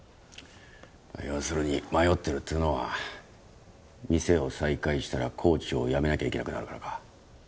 要するに迷ってるっていうのは店を再開したらコーチを辞めなきゃいけなくなるからか。